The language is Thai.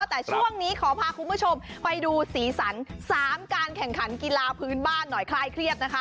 แต่ช่วงนี้ขอพาคุณผู้ชมไปดูสีสัน๓การแข่งขันกีฬาพื้นบ้านหน่อยคลายเครียดนะคะ